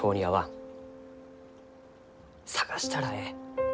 探したらえい。